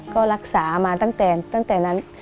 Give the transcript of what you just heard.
ก็รักษามาตั้งแต่นั้น